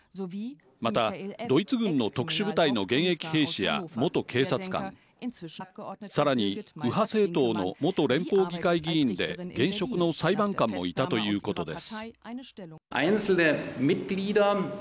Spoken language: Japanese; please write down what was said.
またドイツ軍の特殊部隊の現役兵士や元警察官さらに右派政党の元連邦議会議員で現職の裁判官もいたということです。